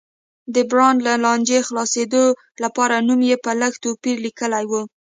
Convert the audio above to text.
د برانډ له لانجې خلاصېدو لپاره نوم یې په لږ توپیر لیکلی و.